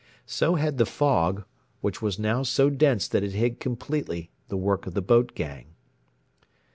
So had the fog, which was now so dense that it hid completely the work of the boat gang.